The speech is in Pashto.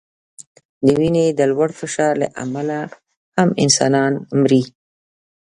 د وینې د لوړ فشار له امله هم انسانان مري.